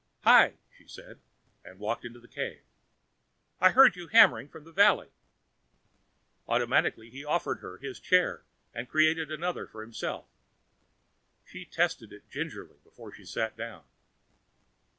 "Hi," she said, and walked into the cave. "I heard your hammer from the valley." Automatically, he offered her his chair and created another for himself. She tested it gingerly before she sat down.